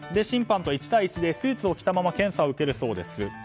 審判と１対１でスーツを着たまま検査を受けるそうです